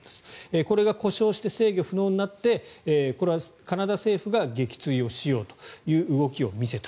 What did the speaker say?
これが故障して制御不能になってこれはカナダ政府が撃墜しようという動きを見せた。